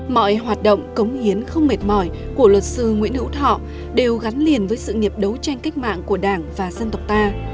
mọi hoạt động cống hiến không mệt mỏi của luật sư nguyễn hữu thọ đều gắn liền với sự nghiệp đấu tranh cách mạng của đảng và dân tộc ta